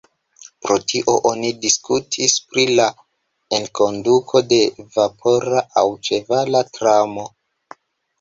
Pro tio oni diskutis pri la enkonduko de vapora aŭ ĉevala tramo.